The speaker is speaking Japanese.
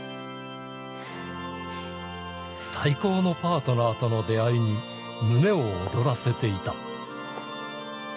最高のパートナーとの出会いに胸を躍らせていた。